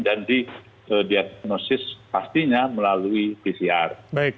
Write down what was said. dan di diagnosis pastinya melalui pcr